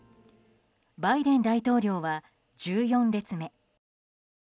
バイデン大統領は１４列目。